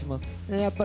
やっぱり。